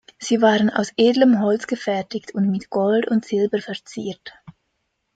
Sie waren aus edlem Holz gefertigt und mit Gold und Silber verziert.